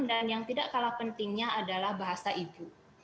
dan yang tidak kalah pentingnya adalah bahasa ibu